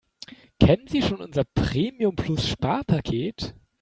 Kennen Sie schon unser Premium-Plus-Sparpaket?